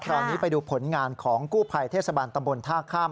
ตอนนี้ไปดูผลงานของกู้ภัยเทศบาลตำบลท่าข้าม